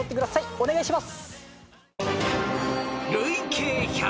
お願いします！